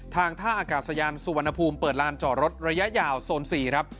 ท่าอากาศยานสุวรรณภูมิเปิดลานจอดรถระยะยาวโซน๔ครับ